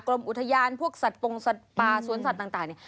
กรมอุทยานพวกสัตว์ปงสัตว์ป่าสวนสัตว์ต่างเนี่ย